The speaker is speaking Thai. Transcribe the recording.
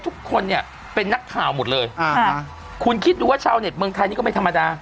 ทุกคนเนี่ยเป็นนักข่าวหมดเลยอ่าคุณคิดดูว่าชาวเน็ตเมืองไทยนี่ก็ไม่ธรรมดา